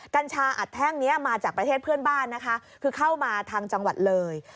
กัญชาอัดแท่งนี้มาจากประเทศเพื่อนบ้านนะคะคือเข้ามาทางจังหวัดเลย